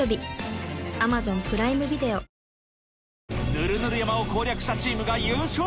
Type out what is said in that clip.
ヌルヌル山を攻略したチームが優勝！